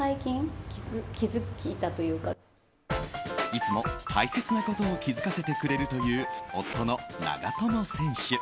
いつも大切なことを気づかせてくれるという夫の長友選手。